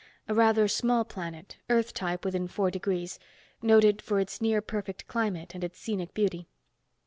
"A rather small planet, Earth type within four degrees. Noted for its near perfect climate and its scenic beauty."